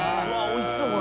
Δ錣おいしそう！